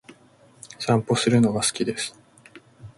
散歩するのが好きです。